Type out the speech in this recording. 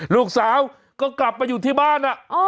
ลูกสาวก็กลับมาอยู่ที่บ้าน